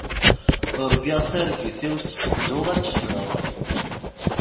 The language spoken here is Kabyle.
Urgaɣ targit-iw tetteddu ad teffeɣ.